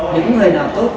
những người nào tốt